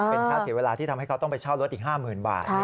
เป็นค่าเสียเวลาที่ทำให้เขาต้องไปเช่ารถอีก๕๐๐๐บาท